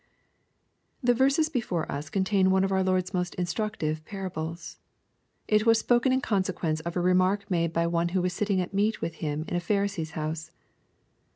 The verses before us contaia one of our Lord's most instructive parables. It was spoken in consequence of a remark made by one who was sitting at meat with Him in a Pharisee's house.